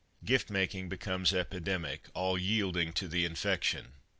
Gift making becomes epidemic, all yielding to the infection.